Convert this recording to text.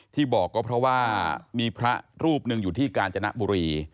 ที่บอกก็เพราะว่ามีพระรูปหนึ่งอยู่ที่กาญจนบุรี